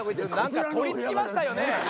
何かとりつきましたよね